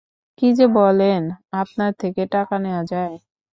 কী যে বলেন, আপনার থেকে টাকা নেয়া যায়!